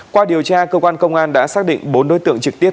qua điều tra cơ quan công an đã xác định bốn đối tượng trực tiếp